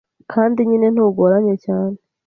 kandi nyine ntugorane cyane